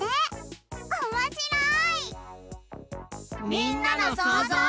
みんなのそうぞう。